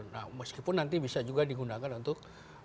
nah meskipun nanti bisa juga digunakan untuk